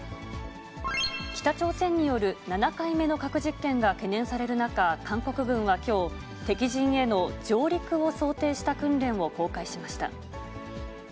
北朝鮮による７回目の核実験が懸念される中、韓国軍はきょう、敵陣への上陸を想定した訓練を公開しました。